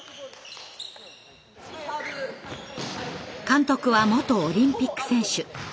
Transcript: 監督は元オリンピック選手。